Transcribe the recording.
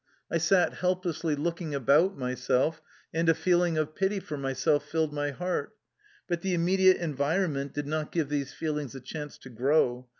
I sat helplessly looking about myself, and a feeling of pity for myself filled my heart. But the im mediate environment did not give these feelings a chance to grow.